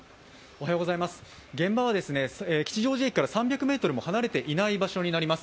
現場は吉祥寺駅から３００ｍも離れていない場所になります。